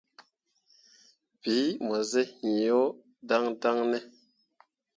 Bii mu zen iŋ yo daŋdaŋ ne ?